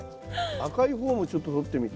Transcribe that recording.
赤い方もちょっととってみて。